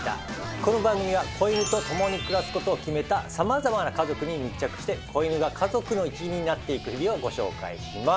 この番組は子犬と共に暮らすことを決めたさまざまな家族に密着して子犬が家族の一員になっていく日々をご紹介します。